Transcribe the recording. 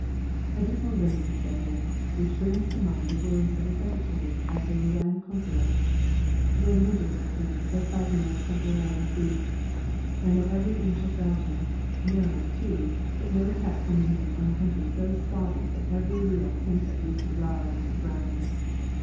A dismal rain has set in, which brings to mind the words of the secretary at the Rouen Consulate: "When winter sets in the fighting must temporarily cease. I know every inch of Belgium; know, too, that no attack can be made on country so sodden that every wheel sinks at least a yard into the ground.